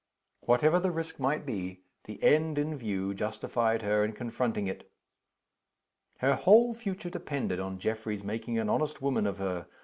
Whatever the risk might be, the end in view justified her in confronting it. Her whole future depended on Geoffrey's making an honest woman of her.